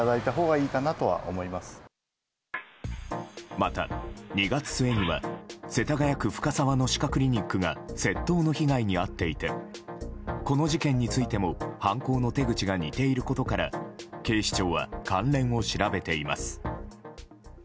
また２月末には世田谷区深沢の歯科クリニックが窃盗の被害に遭っていてこの事件についても犯行の手口が似ていることから警視庁は関連を調べています。